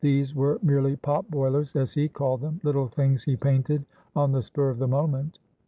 These were merely pot boilers, as he called them little things he painted on the spur of the moment."